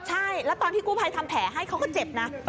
ใช่แล้วตอนที่กู้ภัยทำแผลให้เขาก็เจ็บนะ